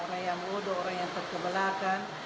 orang yang bodoh orang yang terkebelakan